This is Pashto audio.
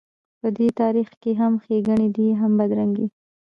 په دې تاریخ کې هم ښېګڼې دي هم بدرنګۍ.